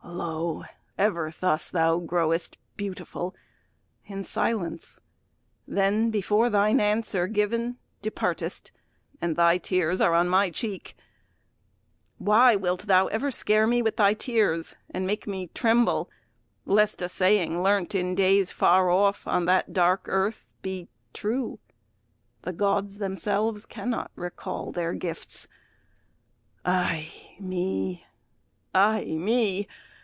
Lo! ever thus thou growest beautiful In silence, then before thine answer given Departest, and thy tears are on my cheek. Why wilt thou ever scare me with thy tears, And make me tremble lest a saying learnt, In days far off, on that dark earth, be true? 'The Gods themselves cannot recall their gifts.' Ay me! ay me!